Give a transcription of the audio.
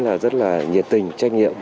là rất là nhiệt tình trách nhiệm